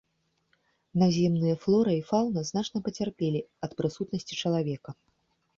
Наземныя флора і фаўна значна пацярпелі ад прысутнасці чалавека.